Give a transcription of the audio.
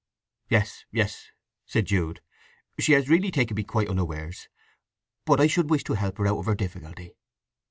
"Yes, yes," said Jude. "She has really taken me quite unawares; but I should wish to help her out of her difficulty."